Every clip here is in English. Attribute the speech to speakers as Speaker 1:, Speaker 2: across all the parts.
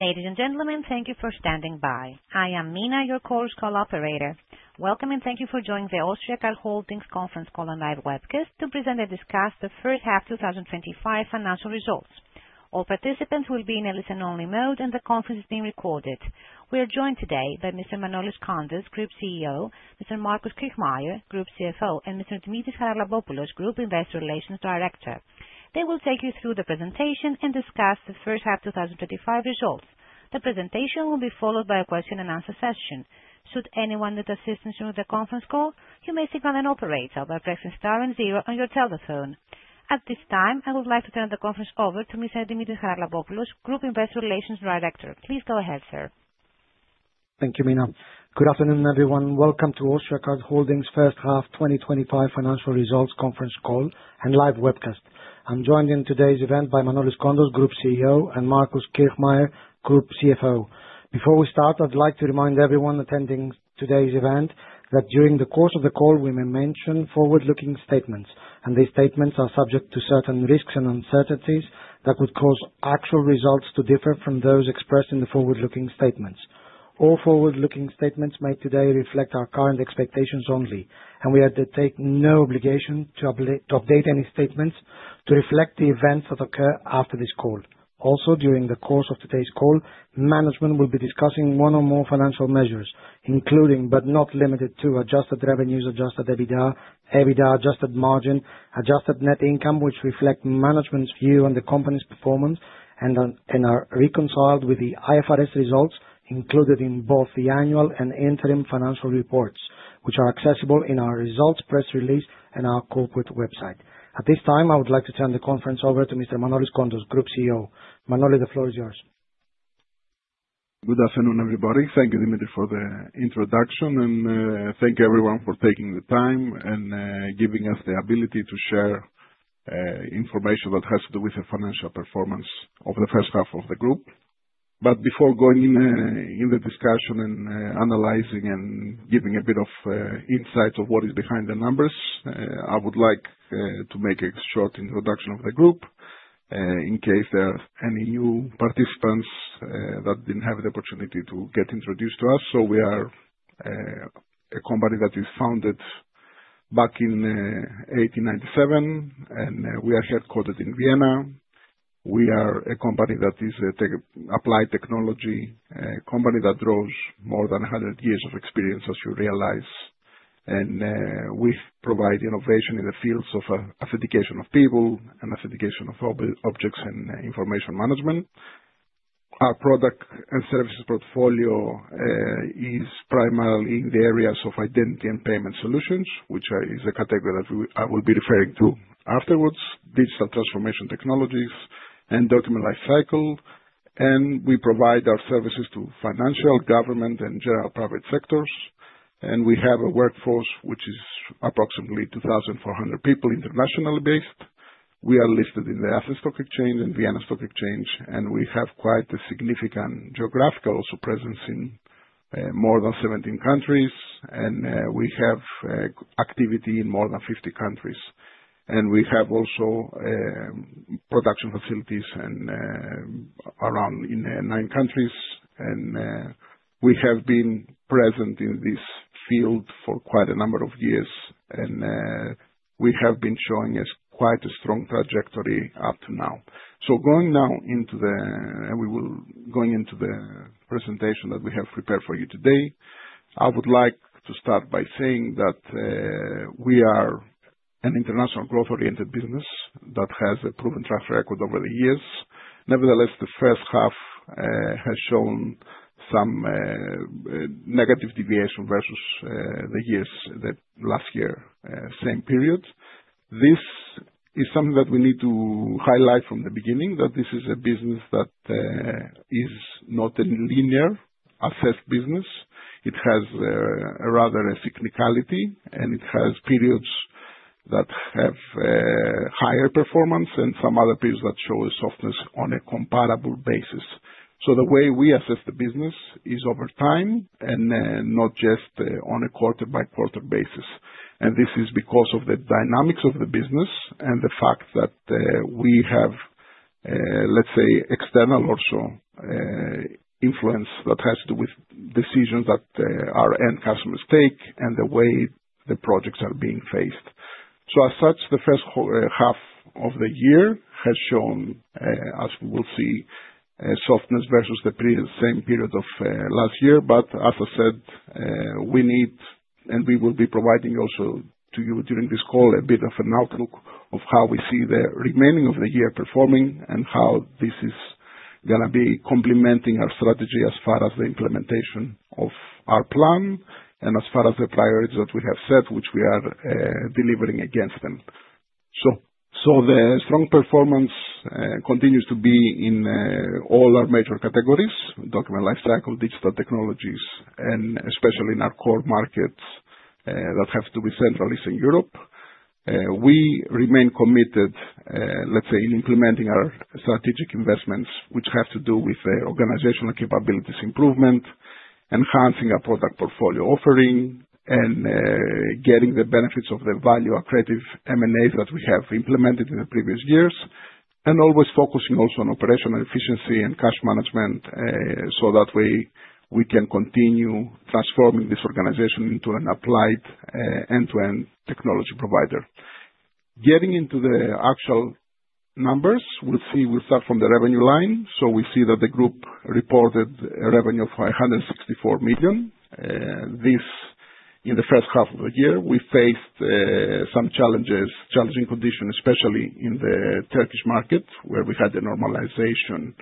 Speaker 1: Ladies and gentlemen, thank you for standing by. I am Mina, your calls operator. Welcome, and thank you for joining the Austriacard Holdings conference call and live webcast to present and discuss the first half 2025 financial results. All participants will be in a listen-only mode, and the conference is being recorded. We are joined today by Mr. Manolis Kontos, Group CEO, Mr. Markus Kirchmayr, Group CFO, and Mr. Dimitris Haralabopoulos, Group Investor Relations Director. They will take you through the presentation and discuss the first half 2025 results. The presentation will be followed by a question and answer session. Should anyone need assistance during the conference call, you may signal an operator by pressing star and zero on your telephone. At this time, I would like to turn the conference over to Mr. Dimitris Charalampopoulos, Group Investor Relations Director. Please go ahead, sir.
Speaker 2: Thank you, Mina. Good afternoon, everyone. Welcome to Austriacard Holdings' first half 2025 financial results conference call and live webcast. I'm joined in today's event by Emmanouil Kontos, Group CEO, and Markus Kirchmayr, Group CFO. Before we start, I'd like to remind everyone attending today's event that during the course of the call, we may mention forward-looking statements, and these statements are subject to certain risks and uncertainties that would cause actual results to differ from those expressed in the forward-looking statements. All forward-looking statements made today reflect our current expectations only, and we undertake no obligation to update any statements to reflect the events that occur after this call. During the course of today's call, management will be discussing one or more financial measures, including, but not limited to, adjusted revenues, adjusted EBITDA adjusted margin, adjusted net income, which reflect management's view on the company's performance and are reconciled with the IFRS results included in both the annual and interim financial reports, which are accessible in our results press release and our corporate website. At this time, I would like to turn the conference over to Mr.Manolis, Group CEO. Manolis, the floor is yours.
Speaker 3: Good afternoon, everybody. Thank you, Dimitris, for the introduction, and thank you, everyone, for taking the time and giving us the ability to share information that has to do with the financial performance of the first half of the group. Before going in the discussion and analyzing and giving a bit of insight of what is behind the numbers, I would like to make a short introduction of the group, in case there are any new participants that didn't have the opportunity to get introduced to us. We are a company that was founded back in 1897, and we are headquartered in Vienna. We are a company that is applied technology, a company that draws more than 100 years of experience, as you realize, and we provide innovation in the fields of authentication of people and authentication of objects and information management. Our product and services portfolio is primarily in the areas of Identity & Payment Solutions, which is a category that I will be referring to afterwards, digital transformation technologies, and Document Lifecycle. We provide our services to financial, government, and general private sectors. We have a workforce, which is approximately 2,400 people, internationally based. We are listed in the Athens Stock Exchange and Vienna Stock Exchange. We have quite a significant geographical also presence in more than 17 countries. We have activity in more than 50 countries. We have also production facilities in nine countries. We have been present in this field for quite a number of years, and we have been showing quite a strong trajectory up to now. Going now into the presentation that we have prepared for you today, I would like to start by saying that we are an international growth-oriented business that has a proven track record over the years. Nevertheless, the first half has shown some negative deviation versus last year, same period. This is something that we need to highlight from the beginning, that this is a business that is not a linear assessed business. It has rather a cyclicality, and it has periods that have higher performance and some other periods that show a softness on a comparable basis. The way we assess the business is over time and not just on a quarter-by-quarter basis. This is because of the dynamics of the business and the fact that we have, let's say, external also influence that has to do with decisions that our end customers take and the way the projects are being faced. As such, the first half of the year has shown, as we will see, a softness versus the same period of last year. As I said, we need, and we will be providing also to you during this call, a bit of an outlook of how we see the remaining of the year performing and how this is going to be complementing our strategy as far as the implementation of our plan and as far as the priorities that we have set, which we are delivering against them. The strong performance continues to be in all our major categories, Document Lifecycle, Digital Technologies, and especially in our core markets that have to be centralized in Europe. We remain committed, let's say, in implementing our strategic investments, which have to do with the organizational capabilities improvement, enhancing our product portfolio offering and getting the benefits of the value accretive M&As that we have implemented in the previous years, and always focusing also on operational efficiency and cash management, so that way we can continue transforming this organization into an applied end-to-end technology provider. Getting into the actual numbers, we'll start from the revenue line. We see that the group reported revenue of 564 million. This, in the first half of the year, we faced some challenging conditions, especially in the Turkish market, where we had the normalization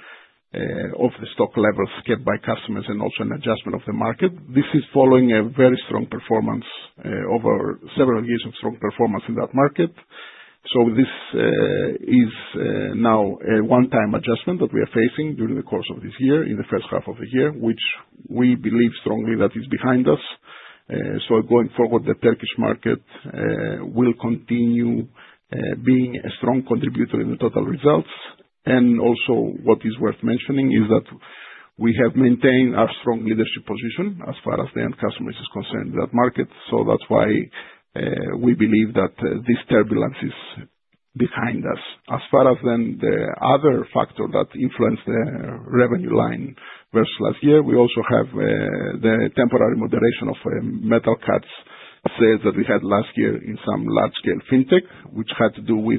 Speaker 3: of the stock levels kept by customers and also an adjustment of the market. This is following a very strong performance over several years of strong performance in that market. This is now a one-time adjustment that we are facing during the course of this year, in the first half of the year, which we believe strongly that is behind us. Going forward, the Turkish market will continue being a strong contributor in the total results. Also what is worth mentioning is that we have maintained our strong leadership position as far as the end customers is concerned in that market. That's why we believe that this turbulence is behind us. As far as then the other factor that influenced the revenue line versus last year, we also have the temporary moderation of Metal Cards sales that we had last year in some large-scale fintech, which had to do with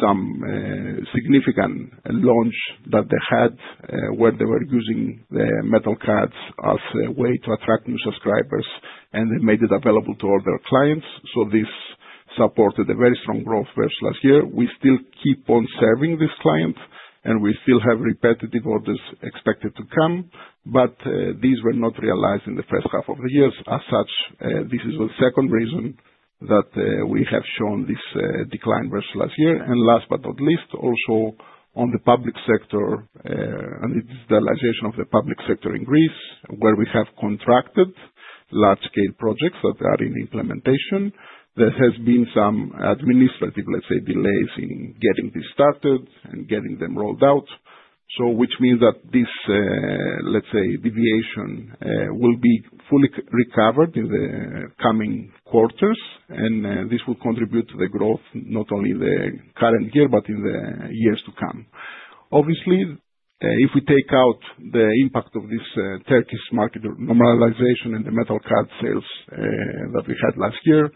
Speaker 3: some significant launch that they had, where they were using the Metal Cards as a way to attract new subscribers, and they made it available to all their clients. This supported a very strong growth versus last year. We still keep on serving this client, and we still have repetitive orders expected to come, but these were not realized in H1 of the year. This is the second reason that we have shown this decline versus last year. Last but not least, also on the public sector, and it's the realization of the public sector in Greece, where we have contracted large scale projects that are in implementation. There has been some administrative, let's say, delays in getting this started and getting them rolled out. Which means that this, let's say, deviation will be fully recovered in the coming quarters, and this will contribute to the growth not only in the current year, but in the years to come. Obviously, if we take out the impact of this Turkish market normalization and the Metal Cards sales that we had last year,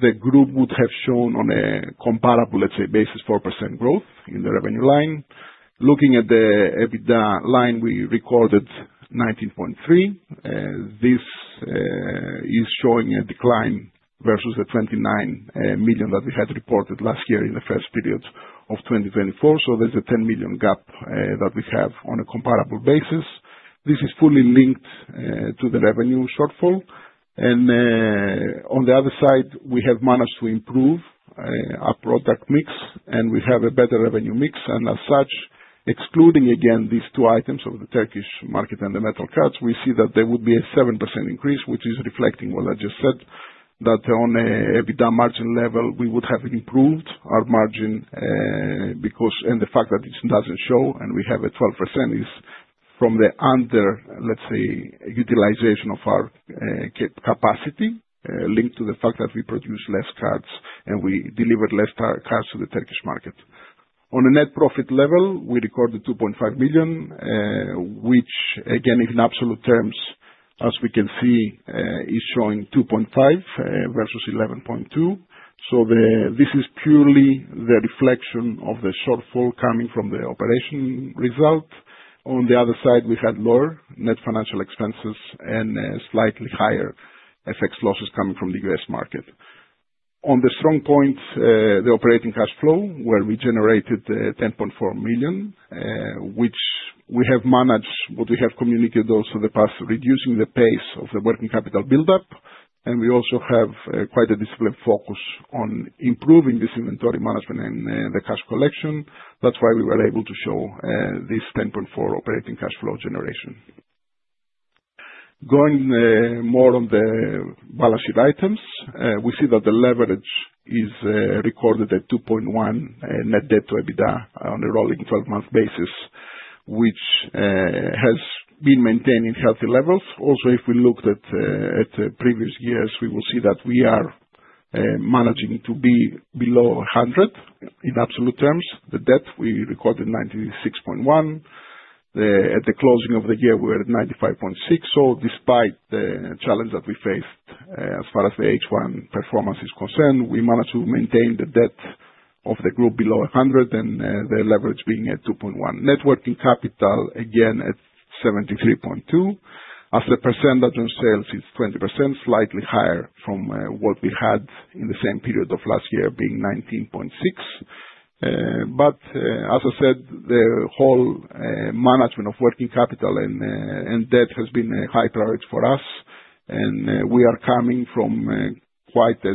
Speaker 3: the group would have shown on a comparable, let's say, basis, 4% growth in the revenue line. Looking at the EBITDA line, we recorded 19.3. This is showing a decline versus the 29 million that we had reported last year in the first period of 2024. There's a 10 million gap that we have on a comparable basis. This is fully linked to the revenue shortfall. On the other side, we have managed to improve our product mix, and we have a better revenue mix. As such, excluding again these two items of the Turkish market and the Metal Cards, we see that there would be a 7% increase, which is reflecting what I just said, that on a EBITDA margin level, we would have improved our margin. The fact that it doesn't show and we have a 12% is from the under, let's say, utilization of our capacity, linked to the fact that we produce less cards and we delivered less cards to the Turkish market. On a net profit level, we recorded 2.5 million, which again, in absolute terms, as we can see, is showing 2.5 million versus 11.2 million. This is purely the reflection of the shortfall coming from the operation result. On the other side, we had lower net financial expenses and slightly higher FX losses coming from the U.S. market. On the strong points, the operating cash flow, where we generated 10.4 million, which we have managed what we have communicated also in the past, reducing the pace of the working capital buildup. We also have quite a disciplined focus on improving this inventory management and the cash collection. That's why we were able to show this 10.4 operating cash flow generation. Going more on the balance sheet items, we see that the leverage is recorded at 2.1 net debt to EBITDA on a rolling 12-month basis, which has been maintaining healthy levels. If we looked at the previous years, we will see that we are managing to be below 100 in absolute terms. The debt we recorded, 96.1. At the closing of the year, we're at 95.6. Despite the challenge that we faced as far as the H1 performance is concerned, we managed to maintain the debt of the group below 100 and the leverage being at 2.1. Net working capital, again, at 73.2. As a percentage on sales, it's 20%, slightly higher from what we had in the same period of last year, being 19.6%. As I said, the whole management of working capital and debt has been a high priority for us, and we are coming from quite a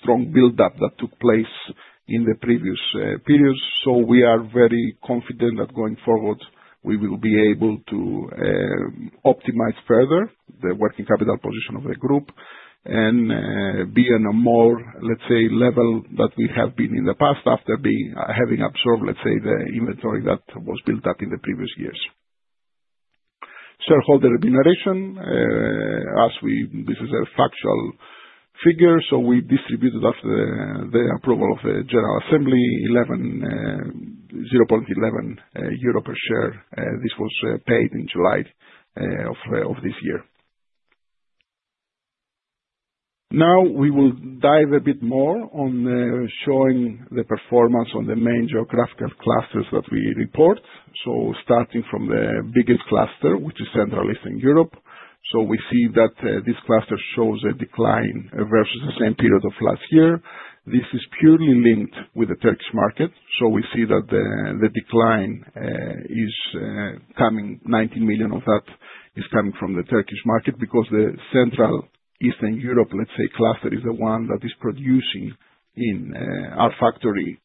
Speaker 3: strong buildup that took place in the previous periods. We are very confident that going forward, we will be able to optimize further the working capital position of the group. Be in a more, let's say, level that we have been in the past after having absorbed, let's say, the inventory that was built up in the previous years. Shareholder remuneration, this is a factual figure. We distributed after the approval of the general assembly, 11.11 euro per share. This was paid in July of this year. Now we will dive a bit more on showing the performance on the main geographical clusters that we report. Starting from the biggest cluster, which is Central Eastern Europe. We see that this cluster shows a decline versus the same period of last year. This is purely linked with the Turkish market. We see that the decline, 90 million of that, is coming from the Turkish market because the Central Eastern Europe, let's say, cluster is the one that is producing in our factory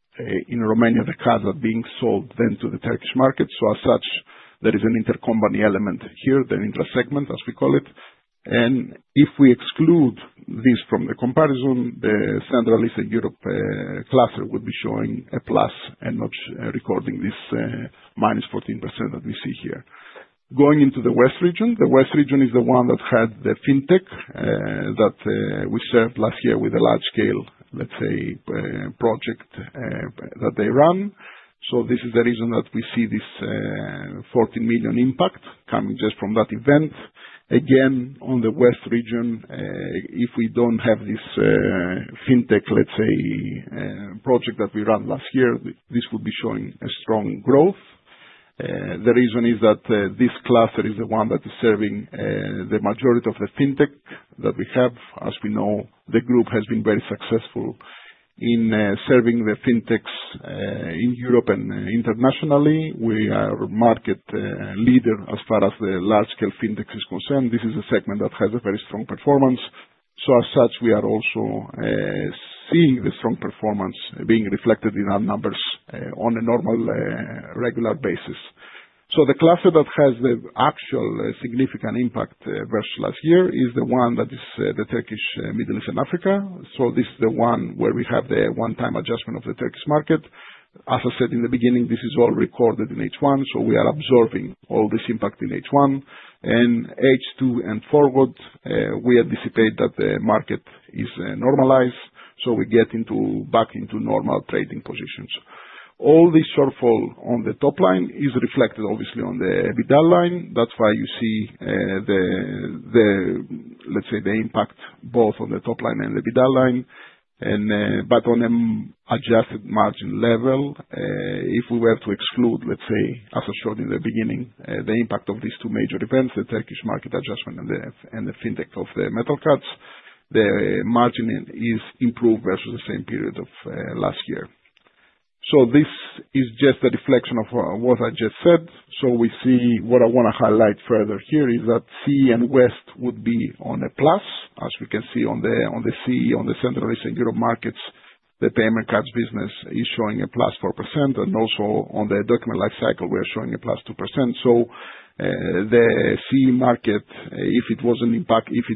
Speaker 3: in Romania, the cards are being sold then to the Turkish market. As such, there is an intercompany element here, the intra-segment as we call it. If we exclude this from the comparison, the Central Eastern Europe cluster would be showing a plus and not recording this -14% that we see here. Going into the West region. The West region is the one that had the fintech that we served last year with a large scale, let's say, project, that they run. This is the reason that we see this 14 million impact coming just from that event. Again, on the West region, if we don't have this fintech, let's say, project that we ran last year, this would be showing a strong growth. The reason is that this cluster is the one that is serving the majority of the fintech that we have. As we know, the group has been very successful in serving the fintechs in Europe and internationally. We are market leader as far as the large-scale fintech is concerned. This is a segment that has a very strong performance. As such, we are also seeing the strong performance being reflected in our numbers on a normal, regular basis. The cluster that has the actual significant impact versus last year is the one that is the Turkish, Middle East, and Africa. This is the one where we have the one-time adjustment of the Turkish market. As I said in the beginning, this is all recorded in H1. We are absorbing all this impact in H1. H2 and forward, we anticipate that the market is normalized. We get back into normal trading positions. All this shortfall on the top line is reflected obviously on the EBITDA line. That's why you see the, let's say, the impact both on the top line and the EBITDA line. On an adjusted margin level, if we were to exclude, let's say, as I showed in the beginning, the impact of these two major events, the Turkish market adjustment and the fintech of the Metal Cards, the margin is improved versus the same period of last year. This is just a reflection of what I just said. We see what I want to highlight further here is that CEE and West would be on a plus, as we can see on the CEE, on the Central Eastern Europe markets. The payment cards business is showing a +4%, and also on the Document Lifecycle Management, we are showing a +2%. The CEE market, if it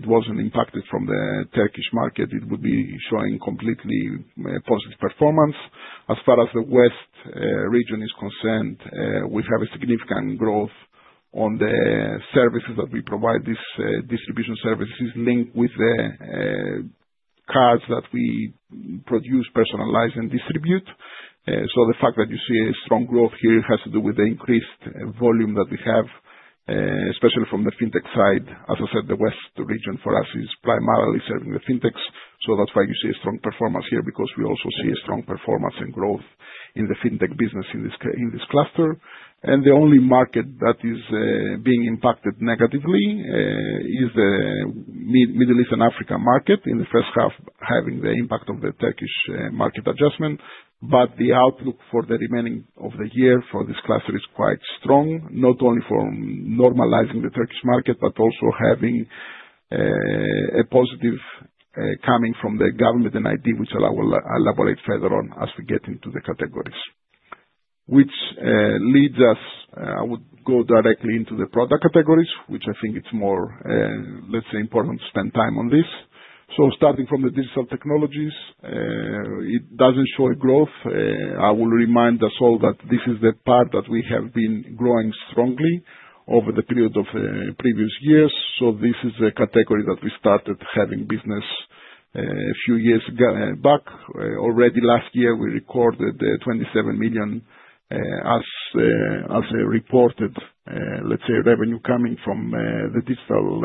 Speaker 3: wasn't impacted from the Turkish market, it would be showing completely positive performance. As far as the West region is concerned, we have a significant growth on the services that we provide, these distribution services linked with the cards that we produce, personalize, and distribute. The fact that you see a strong growth here has to do with the increased volume that we have, especially from the fintech side. As I said, the West region for us is primarily serving the fintechs. That's why you see a strong performance here, because we also see a strong performance and growth in the fintech business in this cluster. The only market that is being impacted negatively, is the Middle East and Africa market in the first half, having the impact of the Turkish market adjustment. The outlook for the remaining of the year for this cluster is quite strong, not only from normalizing the Turkish market, but also having a positive coming from the government and ID, which I will elaborate further on as we get into the categories. Which leads us, I would go directly into the product categories, which I think it's more, let's say, important to spend time on this. Starting from the Digital Technologies, it doesn't show a growth. I will remind us all that this is the part that we have been growing strongly over the period of previous years. This is a category that we started having business a few years back. Already last year, we recorded 27 million as a reported, let's say, revenue coming from the Digital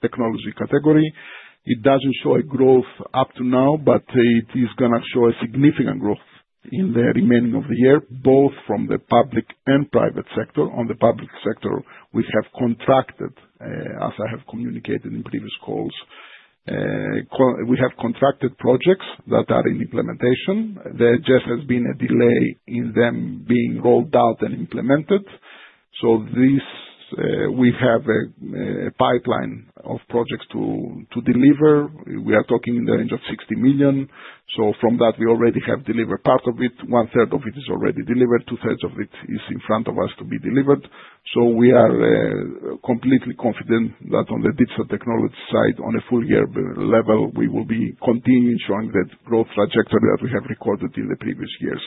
Speaker 3: Technologies category. It doesn't show a growth up to now, but it is going to show a significant growth in the remaining of the year, both from the public and private sector. On the public sector, we have contracted, as I have communicated in previous calls, we have contracted projects that are in implementation. There just has been a delay in them being rolled out and implemented. We have a pipeline of projects to deliver. We are talking in the range of 60 million. From that, we already have delivered part of it. One third of it is already delivered, two thirds of it is in front of us to be delivered. We are completely confident that on the Digital Technologies side, on a full-year level, we will be continuing showing that growth trajectory that we have recorded in the previous years.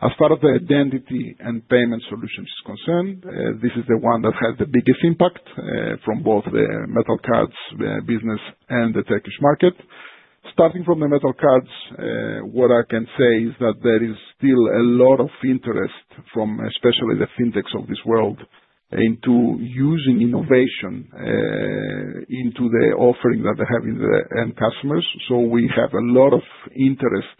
Speaker 3: As part of the Identity & Payment Solutions is concerned, this is the one that had the biggest impact, from both the Metal Cards business and the Turkish market. Starting from the Metal Cards, what I can say is that there is still a lot of interest from especially the fintechs of this world into using innovation into the offering that they have in the end customers. We have a lot of interest,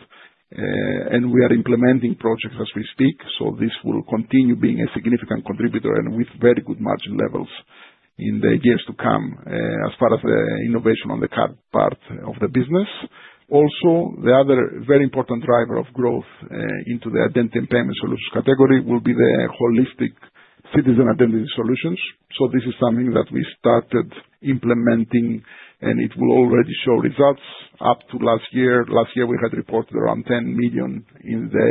Speaker 3: and we are implementing projects as we speak. This will continue being a significant contributor and with very good margin levels in the years to come, as far as the innovation on the card part of the business. Also, the other very important driver of growth into the Identity & Payment Solutions category will be the holistic citizen identity solutions. This is something that we started implementing, and it will already show results up to last year. Last year, we had reported around 10 million in the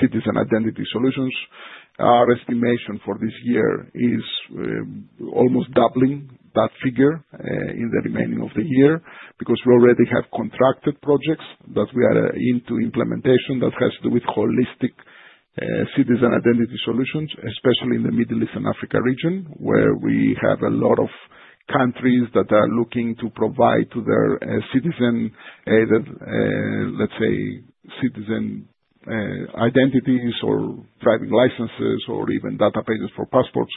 Speaker 3: citizen identity solutions. Our estimation for this year is almost doubling that figure in the remaining of the year because we already have contracted projects that we are into implementation that has to do with holistic citizen identity solutions, especially in the Middle East and Africa region, where we have a lot of countries that are looking to provide to their citizen, let's say, citizen identities or driving licenses or even databases for passports.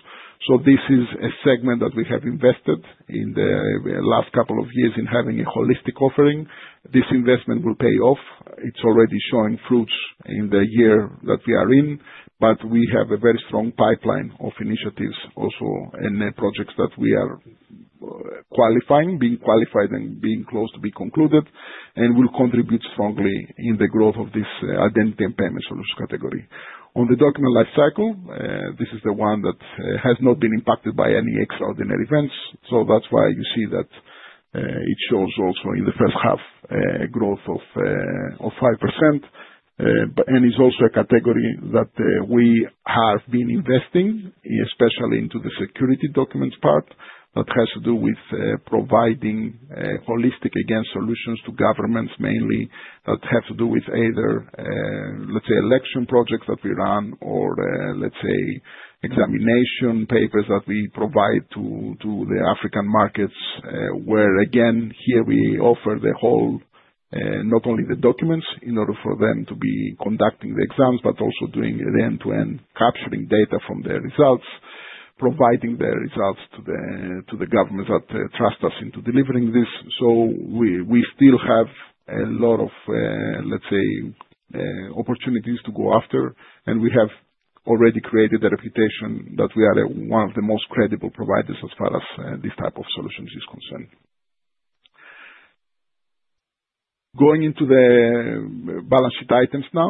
Speaker 3: This is a segment that we have invested in the last couple of years in having a holistic offering. This investment will pay off. It's already showing fruits in the year that we are in, but we have a very strong pipeline of initiatives also and projects that we are qualifying, being qualified and being close to be concluded and will contribute strongly in the growth of this Identity & Payment Solutions category. On the Document Lifecycle, this is the one that has not been impacted by any extraordinary events. That's why you see that it shows also in the first half growth of 5%. It's also a category that we have been investing, especially into the security documents part that has to do with providing holistic, again, solutions to governments mainly that have to do with either, let's say, election projects that we run or, let's say, examination papers that we provide to the African markets, where again, here we offer the whole, not only the documents in order for them to be conducting the exams, but also doing an end-to-end capturing data from the results, providing the results to the governments that trust us into delivering this. We still have a lot of, let's say, opportunities to go after, and we have already created a reputation that we are one of the most credible providers as far as this type of solutions is concerned. Going into the balance sheet items now,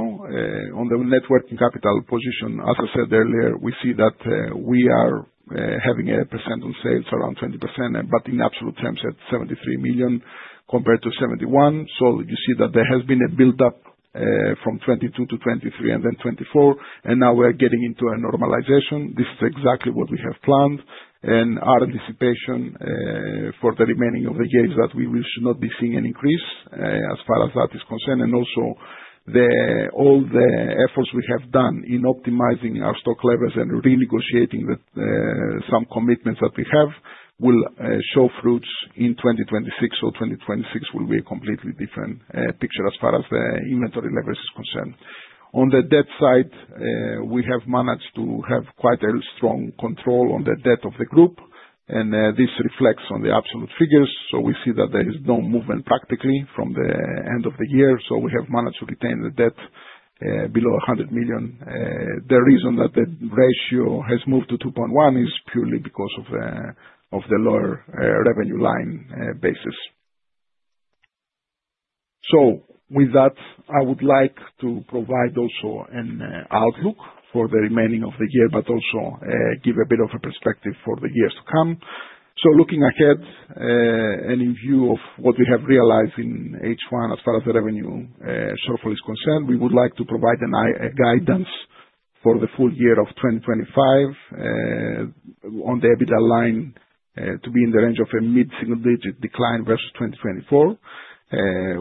Speaker 3: on the working capital position, as I said earlier, we see that we are having a percent on sales around 20%, but in absolute terms at 73 million compared to 71 million. You see that there has been a buildup, from 2022 to 2023 and then 2024, and now we're getting into a normalization. This is exactly what we have planned and our anticipation, for the remaining of the year, that we will should not be seeing an increase as far as that is concerned. Also all the efforts we have done in optimizing our stock levels and renegotiating some commitments that we have will show fruits in 2026 or 2026 will be a completely different picture as far as the inventory levels is concerned. On the debt side, we have managed to have quite a strong control on the debt of the group, and this reflects on the absolute figures. We see that there is no movement practically from the end of the year. We have managed to retain the debt below 100 million. The reason that the ratio has moved to 2.1 is purely because of the lower revenue line basis. With that, I would like to provide also an outlook for the remaining of the year, but also give a bit of a perspective for the years to come. Looking ahead, and in view of what we have realized in H1 as far as the revenue shortfall is concerned, we would like to provide a guidance for the full year of 2025 on the EBITDA line, to be in the range of a mid-single digit decline versus 2024.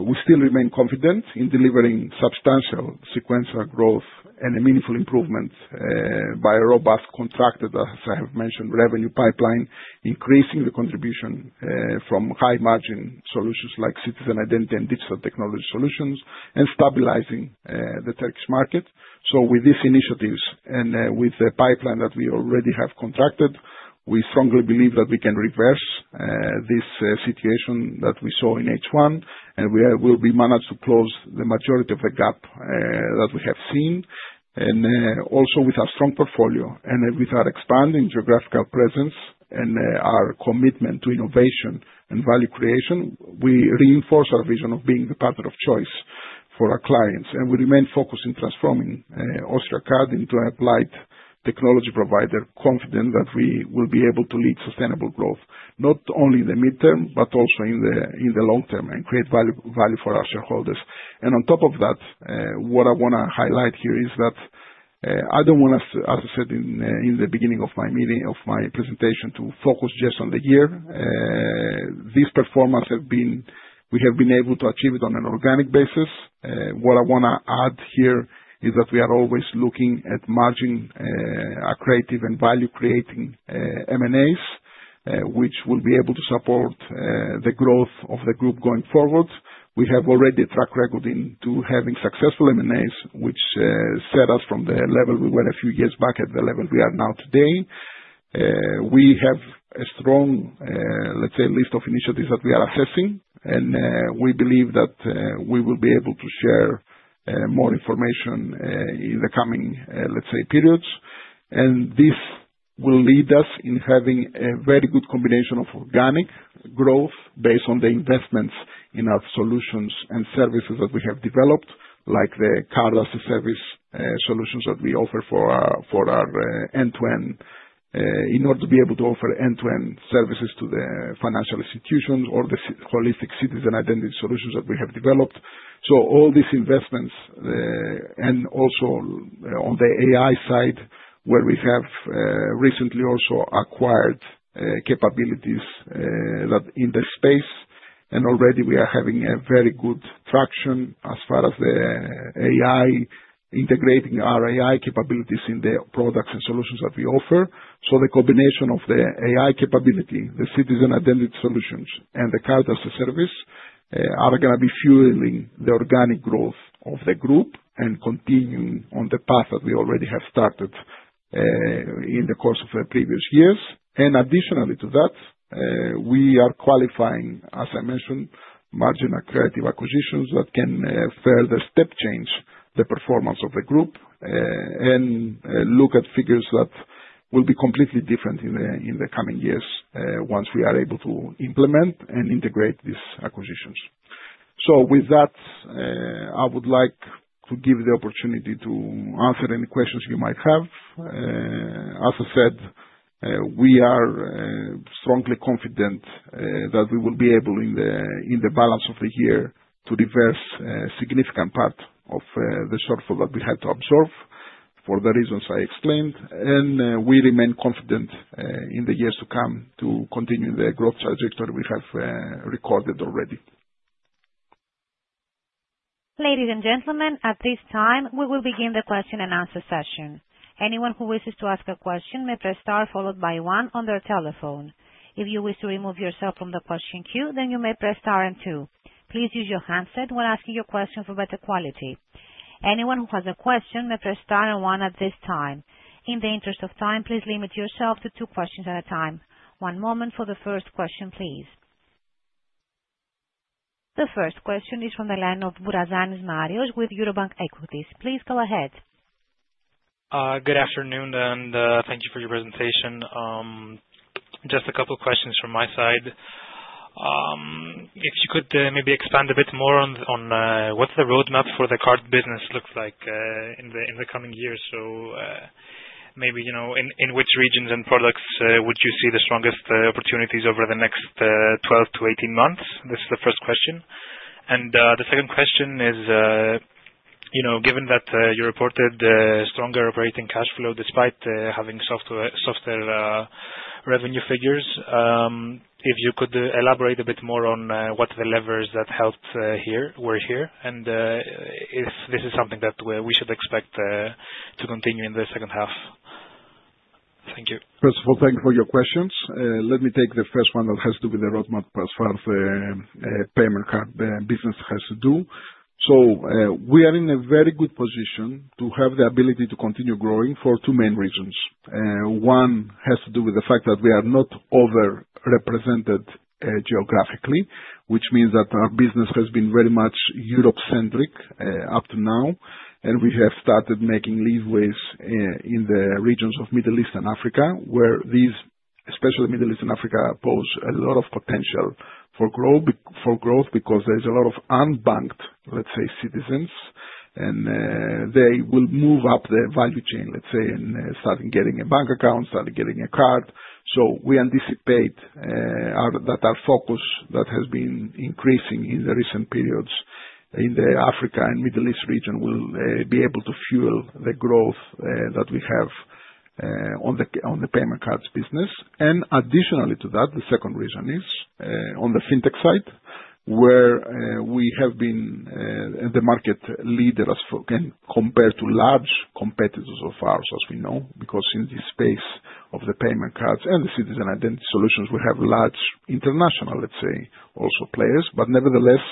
Speaker 3: We still remain confident in delivering substantial sequential growth and a meaningful improvement by a robust contracted, as I have mentioned, revenue pipeline, increasing the contribution from high margin solutions like citizen identity and digital technology solutions and stabilizing the Turkish market. With these initiatives and with the pipeline that we already have contracted, we strongly believe that we can reverse this situation that we saw in H1, and we will be managed to close the majority of the gap that we have seen. Also with our strong portfolio and with our expanding geographical presence and our commitment to innovation and value creation, we reinforce our vision of being the partner of choice for our clients, and we remain focused in transforming Austriacard into applied technology provider confident that we will be able to lead sustainable growth, not only in the midterm but also in the long term and create value for our shareholders. On top of that, what I want to highlight here is that I don't want us, as I said in the beginning of my presentation, to focus just on the year. This performance, we have been able to achieve it on an organic basis. What I want to add here is that we are always looking at margin, accretive and value-creating M&As which will be able to support the growth of the group going forward. We have already a track record into having successful M&As, which set us from the level we were a few years back at the level we are now today. We have a strong, let's say, list of initiatives that we are assessing, and we believe that we will be able to share more information in the coming, let's say, periods. This will lead us in having a very good combination of organic growth based on the investments in our solutions and services that we have developed, like the Card as a Service solutions that we offer in order to be able to offer end-to-end services to the financial institutions or the holistic citizen identity solutions that we have developed. All these investments, and also on the AI side, where we have recently also acquired capabilities in the space, and already we are having a very good traction as far as the AI, integrating our AI capabilities in the products and solutions that we offer. The combination of the AI capability, the Citizen Identity solutions, and the Card as a Service, are going to be fueling the organic growth of the group and continuing on the path that we already have started in the course of the previous years. Additionally to that, we are qualifying, as I mentioned, margin accretive acquisitions that can further step change the performance of the group, and look at figures that will be completely different in the coming years, once we are able to implement and integrate these acquisitions. With that, I would like to give the opportunity to answer any questions you might have. As I said, we are strongly confident that we will be able, in the balance of the year, to reverse a significant part of the shortfall that we had to absorb for the reasons I explained. We remain confident in the years to come to continue the growth trajectory we have recorded already.
Speaker 1: One moment for the first question, please. The first question is from the line of Marios Bourazanis with Eurobank Equities. Please go ahead.
Speaker 4: Good afternoon, thank you for your presentation. Just two questions from my side. If you could maybe expand a bit more on what the roadmap for the card business looks like in the coming years. Maybe, in which regions and products would you see the strongest opportunities over the next 12 to 18 months? This is the first question. The second question is, given that you reported stronger operating cash flow despite having softer revenue figures, if you could elaborate a bit more on what the levers that helped were here, and if this is something that we should expect to continue in the second half. Thank you.
Speaker 3: First of all, thank you for your questions. Let me take the first one that has to do with the roadmap as far as the payment card business has to do. We are in a very good position to have the ability to continue growing for two main reasons. One has to do with the fact that we are not overrepresented geographically, which means that our business has been very much Europe-centric up to now, and we have started making headway in the regions of Middle East and Africa, where these, especially Middle East and Africa, pose a lot of potential for growth because there's a lot of unbanked, let's say, citizens, and they will move up the value chain, let's say, in starting getting a bank account, starting getting a card. We anticipate that our focus that has been increasing in the recent periods in the Africa and Middle East region will be able to fuel the growth that we have on the payment cards business. Additionally to that, the second reason is, on the fintech side, where we have been the market leader as for, again, compared to large competitors of ours as we know, because in the space of the payment cards and the citizen identity solutions, we have large international, let's say, also players. Nevertheless,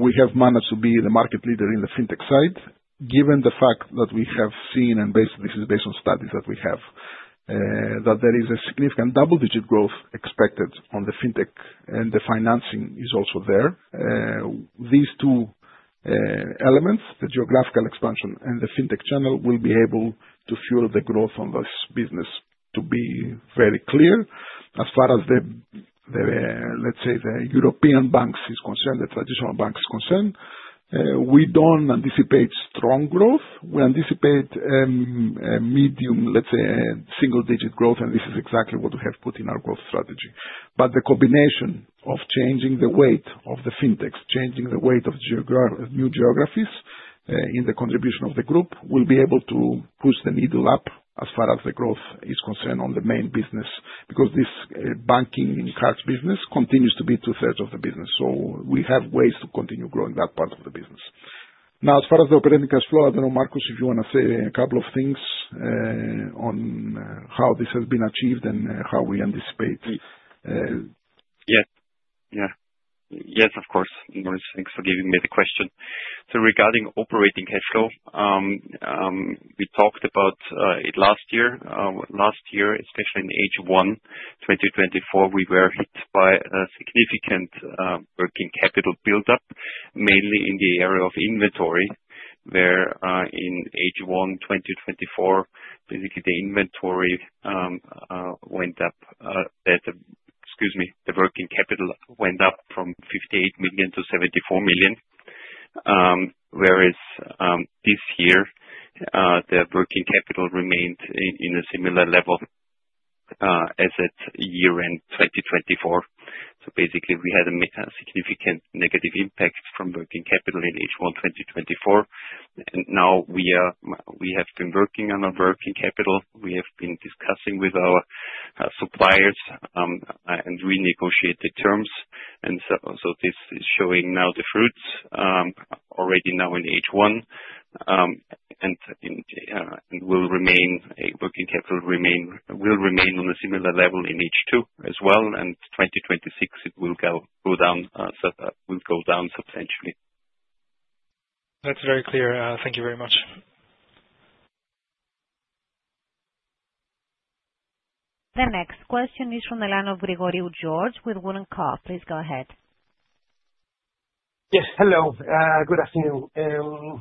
Speaker 3: we have managed to be the market leader in the fintech side, given the fact that we have seen, and this is based on studies that we have, that there is a significant double-digit growth expected on the fintech, and the financing is also there. These two elements, the geographical expansion and the fintech channel, will be able to fuel the growth on this business to be very clear. As far as let's say the European banks is concerned, the traditional banks is concerned, we don't anticipate strong growth. We anticipate medium, let's say, single-digit growth. This is exactly what we have put in our growth strategy. The combination of changing the weight of the fintech, changing the weight of new geographies, in the contribution of the group, will be able to push the needle up as far as the growth is concerned on the main business, because this banking cards business continues to be two-thirds of the business. We have ways to continue growing that part of the business. Now, as far as the operating cash flow, I don't know, Markus, if you want to say a couple of things, on how this has been achieved and how we anticipate.
Speaker 5: Yes. Of course, Marios. Thanks for giving me the question. Regarding operating cash flow, we talked about it last year. Last year, especially in H1 2024, we were hit by a significant working capital buildup, mainly in the area of inventory, where, in H1 2024, basically the working capital went up from 58 million to 74 million. This year, the working capital remained in a similar level, as at year-end 2024. Basically, we had a significant negative impact from working capital in H1 2024. Now we have been working on our working capital. We have been discussing with our suppliers, and renegotiate the terms. This is showing now the fruits, already now in H1, and will remain on a similar level in H2 as well, and 2026 it will go down substantially.
Speaker 4: That's very clear. Thank you very much.
Speaker 1: The next question is from the line of George Grigoriou with WOOD & Company. Please go ahead.
Speaker 6: Yes. Hello. Good afternoon.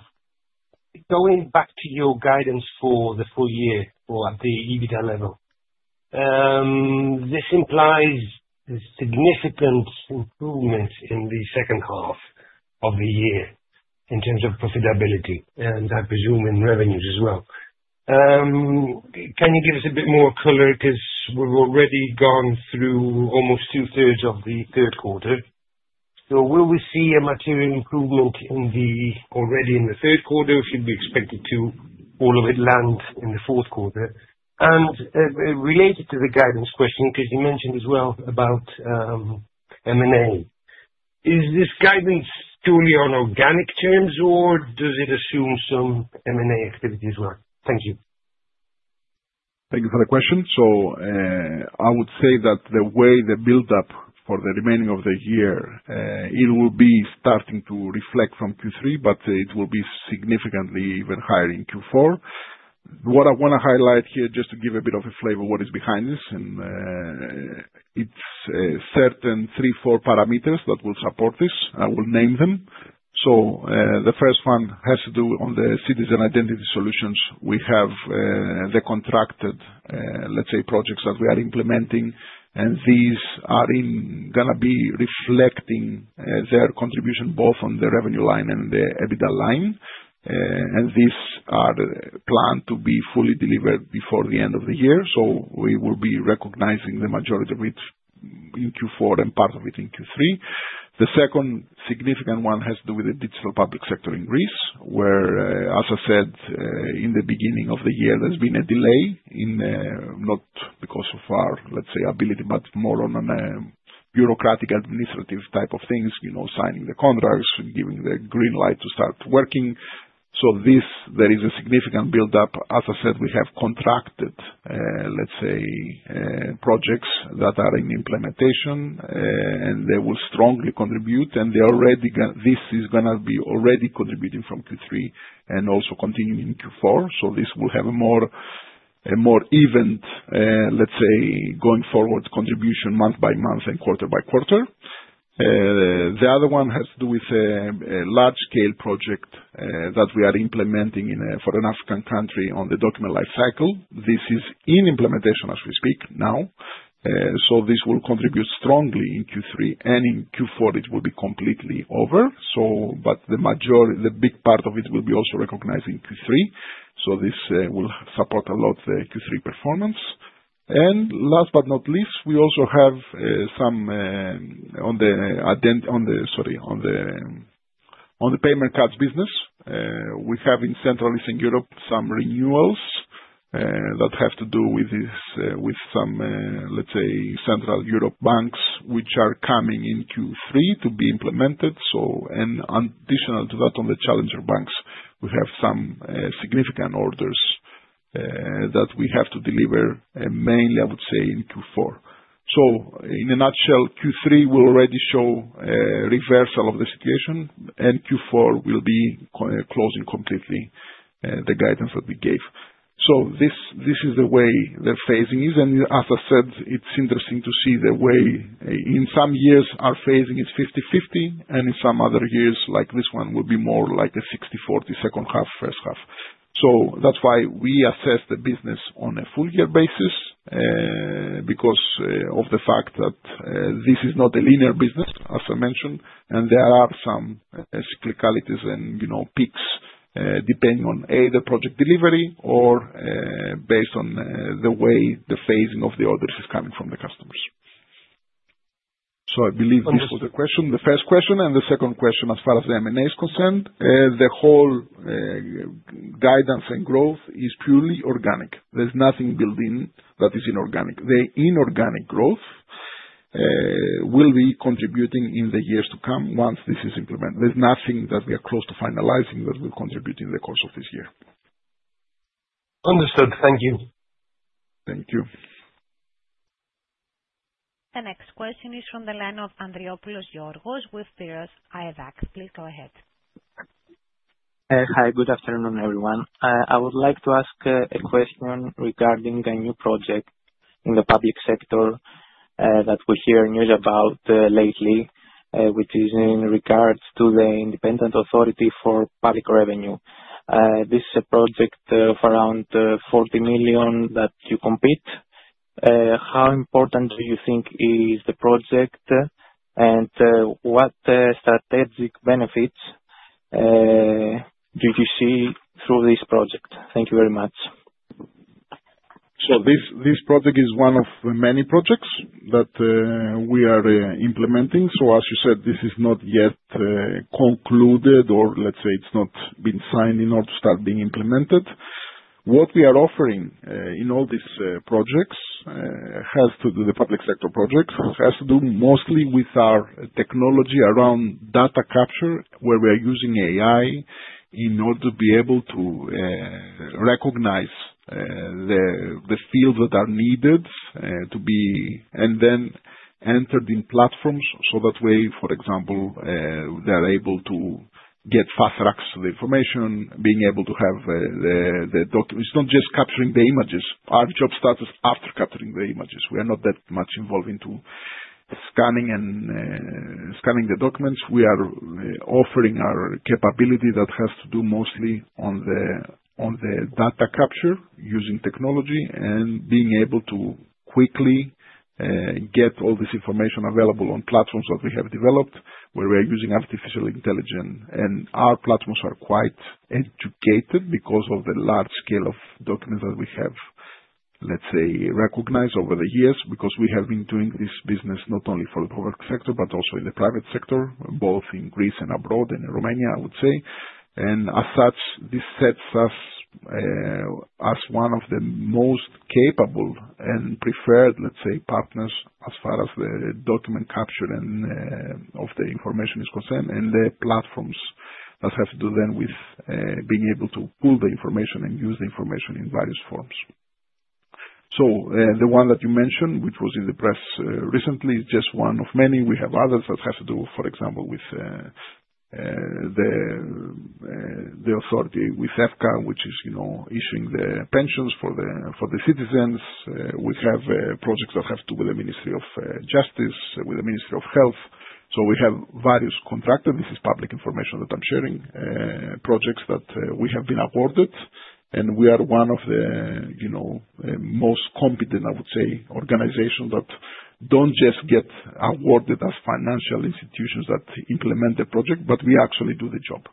Speaker 6: Going back to your guidance for the full year or at the EBITDA level. This implies a significant improvement in the second half of the year in terms of profitability, and I presume in revenues as well. Can you give us a bit more color, because we've already gone through almost two-thirds of the third quarter. Will we see a material improvement already in the third quarter, or should we expect it to all of it land in the fourth quarter? Related to the guidance question, because you mentioned as well about M&A. Is this guidance purely on organic terms or does it assume some M&A activity as well? Thank you.
Speaker 3: Thank you for the question. I would say that the way the buildup for the remaining of the year, it will be starting to reflect from Q3, but it will be significantly even higher in Q4. What I want to highlight here, just to give a bit of a flavor what is behind this, and it's a certain three, four parameters that will support this. I will name them. The first one has to do on the citizen identity solutions we have, the contracted, let's say, projects that we are implementing, and these are going to be reflecting their contribution both on the revenue line and the EBITDA line. These are planned to be fully delivered before the end of the year. We will be recognizing the majority of it in Q4 and part of it in Q3. The second significant one has to do with the digital public sector in Greece, where, as I said, in the beginning of the year, there's been a delay, not because of our, let's say, ability, but more on a bureaucratic, administrative type of things, signing the contracts, giving the green light to start working. This, there is a significant buildup. As I said, we have contracted, let's say, projects that are in implementation, and they will strongly contribute, and this is going to be already contributing from Q3 and also continuing in Q4. This will have a more even, let's say, going forward contribution month by month and quarter by quarter. The other one has to do with a large-scale project that we are implementing for an African country on the Document Life Cycle. This is in implementation as we speak now. This will contribute strongly in Q3, and in Q4 it will be completely over. The big part of it will be also recognized in Q3. This will support a lot the Q3 performance. Last but not least, we also have on the payment cards business, we have in Central Eastern Europe some renewals, that have to do with some, let's say, Central Europe banks, which are coming in Q3 to be implemented. Additional to that, on the challenger banks, we have some significant orders that we have to deliver, mainly, I would say, in Q4. In a nutshell, Q3 will already show a reversal of the situation, and Q4 will be closing completely the guidance that we gave. This is the way the phasing is, and as I said, it's interesting to see the way. In some years, our phasing is 50/50, and in some other years, like this one, will be more like a 60/40 second half, first half. That's why we assess the business on a full year basis, because of the fact that this is not a linear business, as I mentioned, and there are some cyclicalities and peaks, depending on either project delivery or based on the way the phasing of the orders is coming from the customers. I believe this was the first question and the second question as far as the M&A is concerned, the whole guidance and growth is purely organic. There's nothing building that is inorganic. The inorganic growth will be contributing in the years to come once this is implemented. There's nothing that we are close to finalizing that will contribute in the course of this year.
Speaker 6: Understood. Thank you.
Speaker 3: Thank you.
Speaker 1: The next question is from the line of Georgios Andriopoulos with Piraeus Securities. Please go ahead.
Speaker 7: Hi, good afternoon, everyone. I would like to ask a question regarding a new project in the public sector that we hear news about lately, which is in regards to the Independent Authority for Public Revenue. This is a project of around 40 million that you compete. How important do you think is the project, and what strategic benefits do you see through this project? Thank you very much.
Speaker 3: This project is one of many projects that we are implementing. As you said, this is not yet concluded or let's say it's not been signed in order to start being implemented. What we are offering in all these projects, has to do the public sector projects, has to do mostly with our technology around data capture, where we are using AI in order to be able to recognize the fields that are needed to be And then entered in platforms, so that way, for example, they're able to get fast tracks to the information, being able to have the document. It's not just capturing the images. Our job starts after capturing the images. We are not that much involved into scanning the documents. We are offering our capability that has to do mostly on the data capture using technology and being able to quickly get all this information available on platforms that we have developed, where we are using artificial intelligence. Our platforms are quite educated because of the large scale of documents that we have, let's say, recognized over the years because we have been doing this business not only for the public sector, but also in the private sector, both in Greece and abroad, in Romania, I would say. As such, this sets us as one of the most capable and preferred, let's say, partners as far as the document capture and of the information is concerned, and the platforms that have to do then with being able to pull the information and use the information in various forms. The one that you mentioned, which was in the press recently, is just one of many. We have others that have to do, for example, with the authority with EFKA, which is issuing the pensions for the citizens. We have projects that have to do with the Ministry of Justice, with the Ministry of Health. We have various contracts. This is public information that I'm sharing. Projects that we have been awarded, and we are one of the most competent, I would say, organization that don't just get awarded as financial institutions that implement the project, but we actually do the job.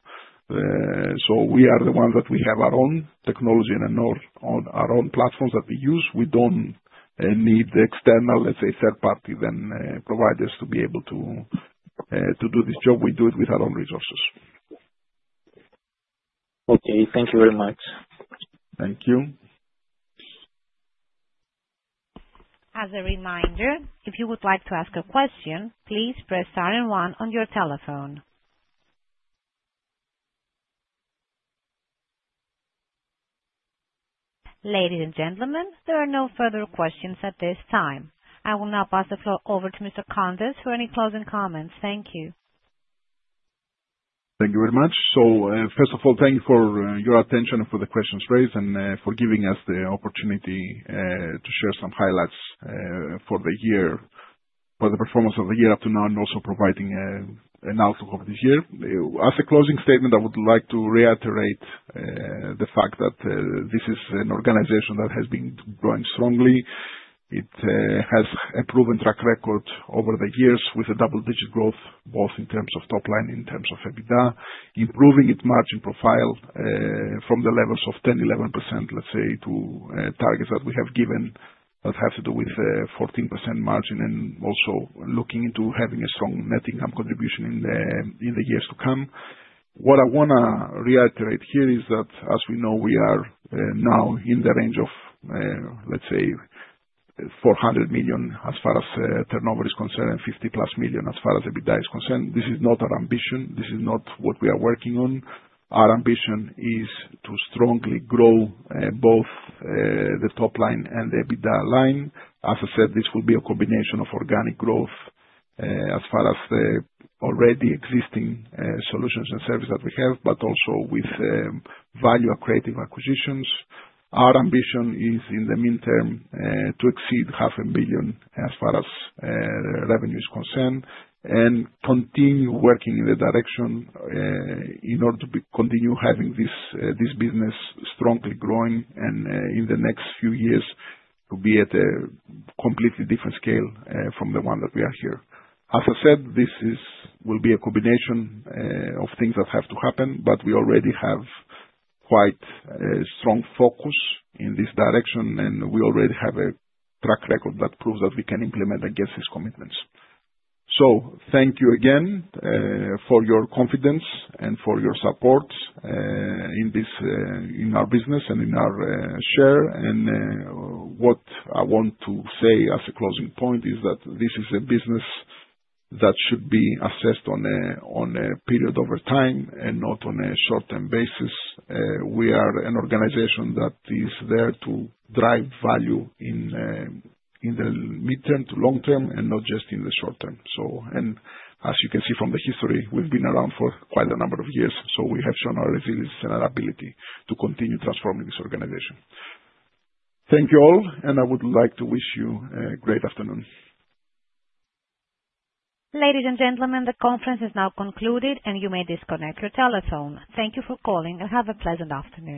Speaker 3: We are the ones that we have our own technology and our own platforms that we use. We don't need external, let's say, third party then providers to be able to do this job. We do it with our own resources.
Speaker 7: Okay. Thank you very much.
Speaker 3: Thank you.
Speaker 1: Ladies and gentlemen, there are no further questions at this time. I will now pass the floor over to Mr. Kontos for any closing comments. Thank you.
Speaker 3: Thank you very much. First of all, thank you for your attention, for the questions raised, and for giving us the opportunity to share some highlights for the performance of the year up to now, and also providing an outlook of the year. As a closing statement, I would like to reiterate the fact that this is an organization that has been growing strongly. It has a proven track record over the years with a double-digit growth, both in terms of top line, in terms of EBITDA, improving its margin profile, from the levels of 10%, 11%, let's say, to targets that we have given that have to do with 14% margin and also looking into having a strong net income contribution in the years to come. What I want to reiterate here is that, as we know, we are now in the range of 400 million, as far as turnover is concerned, 50+ million, as far as EBITDA is concerned. This is not our ambition. This is not what we are working on. Our ambition is to strongly grow both the top line and the EBITDA line. As I said, this will be a combination of organic growth, as far as the already existing solutions and services that we have, but also with value accretive acquisitions. Our ambition is, in the meantime, to exceed half a billion as far as revenue is concerned and continue working in the direction, in order to continue having this business strongly growing, and, in the next few years, to be at a completely different scale, from the one that we are here. As I said, this will be a combination of things that have to happen, but we already have quite a strong focus in this direction, and we already have a track record that proves that we can implement against these commitments. Thank you again for your confidence and for your support in our business and in our share. What I want to say as a closing point is that this is a business that should be assessed on a period over time and not on a short-term basis. We are an organization that is there to drive value in the midterm to long-term and not just in the short term. As you can see from the history, we've been around for quite a number of years, so we have shown our resilience and our ability to continue transforming this organization. Thank you all, and I would like to wish you a great afternoon.
Speaker 1: Ladies and gentlemen, the conference is now concluded, and you may disconnect your telephone. Thank you for calling, and have a pleasant afternoon.